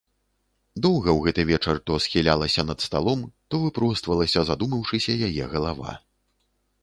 Доўга ў гэты вечар то схілялася над сталом, то выпроствалася, задумаўшыся, яе галава.